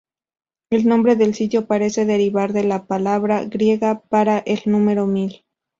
El nombre del sitio parece derivar de la palabra griega para el número mil.